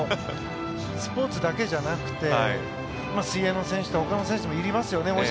スポーツだけじゃなくて水泳の選手とかほかの選手でもいますよね